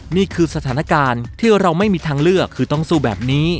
นี่คือสถานการณ์ที่เราไม่มีทางเลือกคือต้องสู้แบบนี้